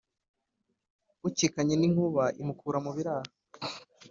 ukikanye n’inkuba imukura mu biraro.